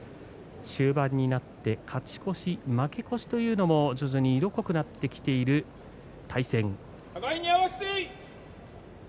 終盤になって勝ち越し、負け越しというのも徐々に色濃くなってきている対戦。